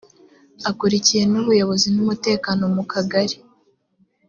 akuriye n’ubuyobozi n’umutekano mu kagari